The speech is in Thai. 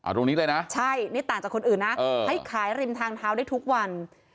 ตรงนี้เลยนะใช่นี่ต่างจากคนอื่นนะให้ขายริมทางเท้าได้ทุกวัน